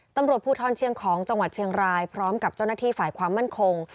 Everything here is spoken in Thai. ตำรวจภูทรเชียงของจังหวัดเชียงรายพร้อมกับเจ้าหน้าที่ฝ่ายความมั่นคง